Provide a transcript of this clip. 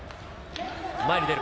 前に出る。